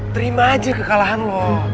terima aja kekalahan lo